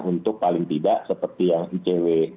untuk paling tidak seperti yang icw